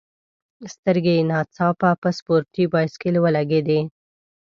سترګي یې نا ځاپه په سپورټي بایسکل ولګېدې.